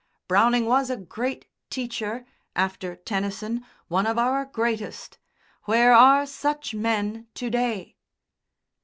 Browning was a great teacher after Tennyson, one of our greatest. Where are such men to day!"